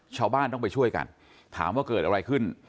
ชาวบ้านต้องไปช่วยกันถามว่าเกิดอะไรขึ้น